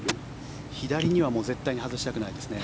左には絶対に外したくないですね。